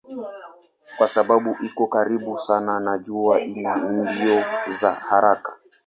Kwa sababu iko karibu sana na jua ina mbio za haraka.